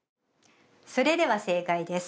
それでは正解です